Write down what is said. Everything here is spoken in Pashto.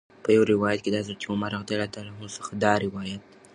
په یو روایت کې د حضرت عمر رض څخه دا روایت